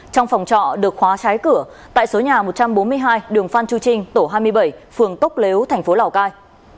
trong phòng trọ được khóa trái cửa tại số nhà một trăm bốn mươi hai đường phan chu trinh tổ hai mươi bảy phường tốc lếu tp lào cai